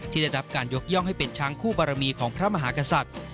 ได้รับการยกย่องให้เป็นช้างคู่บารมีของพระมหากษัตริย์